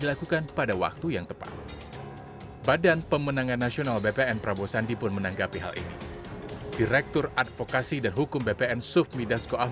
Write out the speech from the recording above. dilakukan pada waktu yang tepat badan pemenangan nasional bpn prabowo sandi pun menanggapi hal ini